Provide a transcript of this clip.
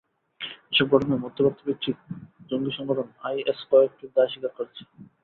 এসব ঘটনায় মধ্যপ্রাচ্য ভিত্তিক জঙ্গি সংগঠন আইএস কয়েকটির দায় স্বীকার করেছে।